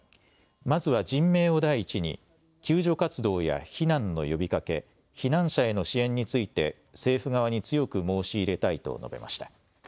まずは人命を第一に救助活動や避難の呼びかけ、避難者への支援について政府側に強く申し入れたいと述べました。